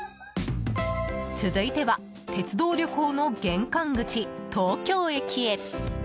続いては鉄道旅行の玄関口東京駅へ。